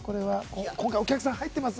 今回、お客さん入ってます。